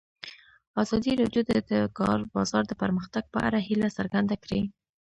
ازادي راډیو د د کار بازار د پرمختګ په اړه هیله څرګنده کړې.